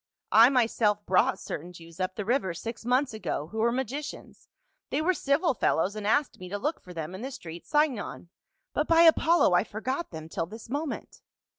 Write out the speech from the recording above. " I myself brought certain Jews up the river six months ago, who were magicians ; they were civil fel lows and asked me to look for them in the street Sin gon ; but, by Apollo, I forgot them till this moment."